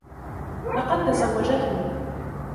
لقد تزوجته.